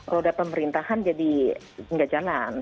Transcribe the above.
roda pemerintahan jadi nggak jalan